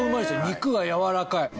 肉がやわらかい。